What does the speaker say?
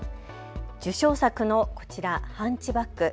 受賞作のこちら、ハンチバック。